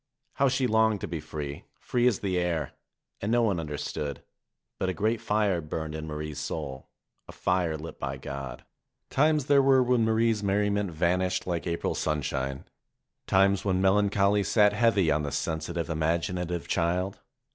How she longed to be free, free as the air ! And no one understood. But a great Are burned in Marie's soul, a Are lit by God. Times there were when Marie's merriment vanished like April sunshine, times when melancholy sat heavy on the sensitive, imaginative child.